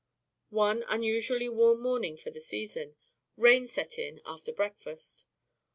One unusually warm morning for the season, rain set in after breakfast.